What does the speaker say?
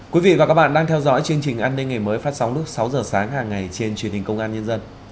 quý vị và các bạn đang theo dõi chương trình an ninh ngày mới phát sóng lúc sáu giờ sáng hàng ngày trên truyền hình công an nhân dân